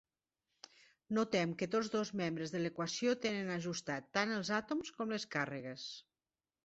Notem que tots dos membres de l'equació tenen ajustats tant els àtoms com les càrregues.